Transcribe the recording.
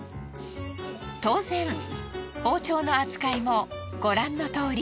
当然包丁の扱いもご覧のとおり。